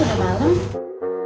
sampai jumpa lagi